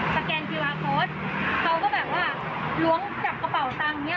แกนกีฬาโค้ดเขาก็แบบว่าล้วงจับกระเป๋าตังค์เนี้ย